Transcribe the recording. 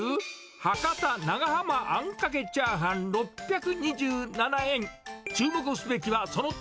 博多長浜あんかけチャーハン６２７円。